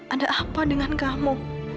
ada apa dengan kamu